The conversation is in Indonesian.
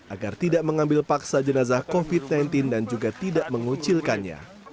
agar tidak mengambil paksa jenazah covid sembilan belas dan juga tidak mengucilkannya